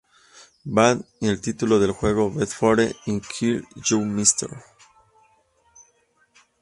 Bond" en el título del juego "Before I Kill You, Mr.